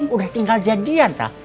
udah tinggal jadian teh